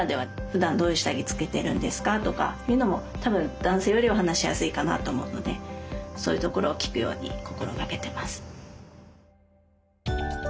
ふだんどういう下着つけてるんですかとかいうのも多分男性よりは話しやすいかなと思うのでそういうところを聞くように心掛けてます。